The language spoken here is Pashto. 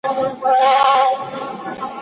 خیرخواه خلګ څه مرسته کوي؟